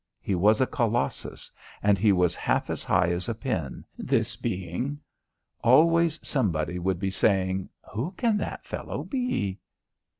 He was a Colossus, and he was half as high as a pin, this being. Always somebody would be saying: "Who can that fellow be?"